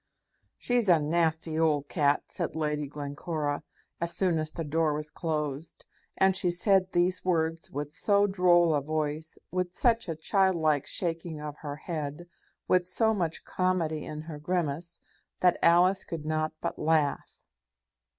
"She's a nasty old cat," said Lady Glencora, as soon as the door was closed; and she said these words with so droll a voice, with such a childlike shaking of her head, with so much comedy in her grimace, that Alice could not but laugh.